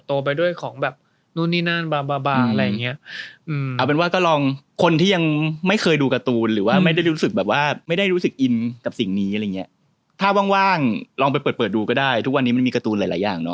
ทุกวันนี้มันมีการ์ตูนหลายอย่างเนาะ